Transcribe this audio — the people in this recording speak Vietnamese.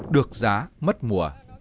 được giá mất mùa